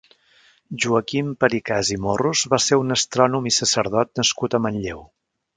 Joaquim Pericas i Morros va ser un astrònom i sacerdot nascut a Manlleu.